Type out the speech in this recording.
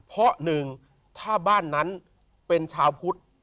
เพราะหนึ่งถ้าบ้านนั้นเป็นชาวพุทธ